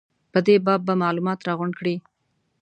په دې باب به معلومات راغونډ کړي.